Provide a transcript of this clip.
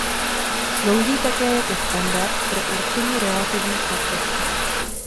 Slouží také jako standard pro určení relativní sladkosti.